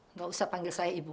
nggak usah panggil saya ibu